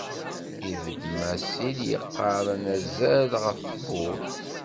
Ibedd Masil yeqqar anazal ɣef tewwurt.